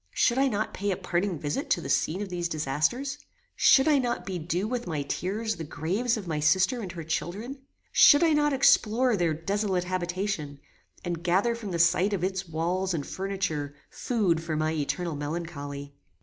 Should I not pay a parting visit to the scene of these disasters? Should I not bedew with my tears the graves of my sister and her children? Should I not explore their desolate habitation, and gather from the sight of its walls and furniture food for my eternal melancholy?